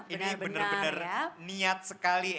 ini benar benar niat sekali